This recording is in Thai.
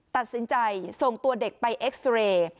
ตัดสินใจส่งตัวเด็กไปเอ็กซ์เรย์